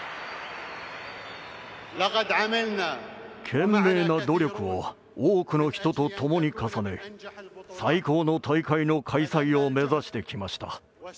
懸命な努力を多くの人と共に重ね最高の大会の開催を目指してきました。